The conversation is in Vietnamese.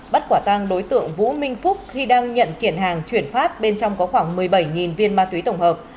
bắt quả tang đối tượng vũ minh phúc khi đang nhận kiện hàng chuyển phát bên trong có khoảng một mươi bảy viên ma túy tổng hợp